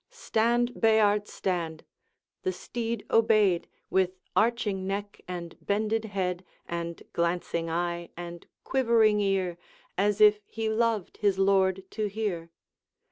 'Stand, Bayard, stand!' the steed obeyed, With arching neck and bended head, And glancing eye and quivering ear, As if he loved his lord to hear.